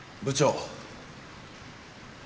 部長。